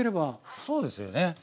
そうですよね。